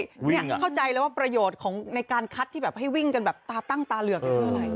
เนี้ยเข้าใจแล้วว่าประโยชน์ของในการคัดที่แบบให้วิ่งกันแบบตาตั้งตาเหลือกอยู่อะไร